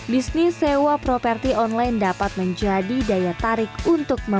bisnis sewa properti online dapat menjadi daya tarik untuk memperbaiki